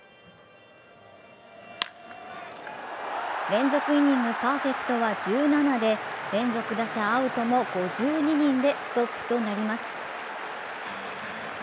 連続イニングパーフェクトは１７で連続打者アウトも５２人でストップとなります。